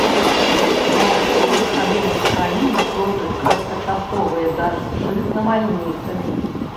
У асобных раёнах краіны пройдуць кароткачасовыя дажджы з навальніцамі.